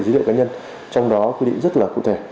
dữ liệu cá nhân trong đó quy định rất là cụ thể